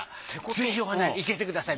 ぜひお花生けてください